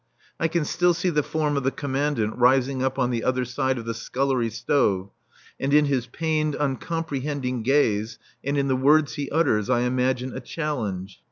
I can still see the form of the Commandant rising up on the other side of the scullery stove, and in his pained, uncomprehending gaze and in the words he utters I imagine a challenge.